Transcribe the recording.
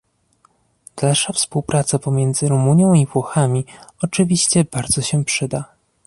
Dalsza współpraca pomiędzy Rumunią i Włochami oczywiście bardzo się przyda